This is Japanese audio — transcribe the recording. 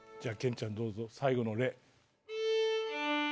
ちゃんどうぞ最後の「レ」。